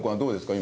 今。